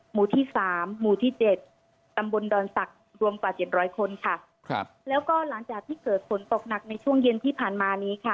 หมู่ที่สามหมู่ที่เจ็ดตำบลดอนศักดิ์รวมกว่าเจ็ดร้อยคนค่ะครับแล้วก็หลังจากที่เกิดฝนตกหนักในช่วงเย็นที่ผ่านมานี้ค่ะ